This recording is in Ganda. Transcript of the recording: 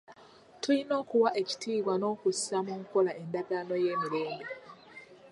Tulina okuwa ekitiibwa n'okussa mu nkola endagaano y'emirembe.